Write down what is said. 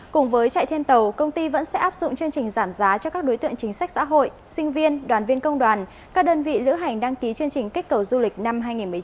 cùng với chạy thêm tàu công ty vẫn sẽ áp dụng chương trình giảm giá cho các đối tượng chính sách xã hội sinh viên đoàn viên công đoàn các đơn vị lữ hành đăng ký chương trình kích cầu du lịch năm hai nghìn một mươi chín